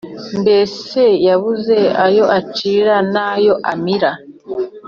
mbese yabuze ayo acira nayo amira